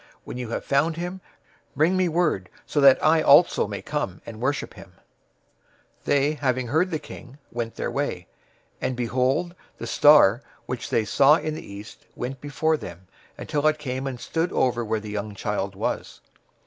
When you have found him, bring me word, so that I also may come and worship him." 002:009 They, having heard the king, went their way; and behold, the star, which they saw in the east, went before them, until it came and stood over where the young child was.